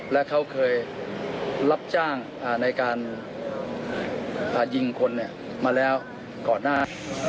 แล้วเขาเคยรับจ้างอ่าในการพายิงคนเนี่ยมาแล้วก่อนหน้า